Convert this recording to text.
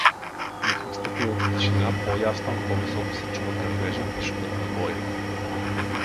Но в настъпилата тишина по-ясно и по-високо се чува гърмежът и шумът на боя.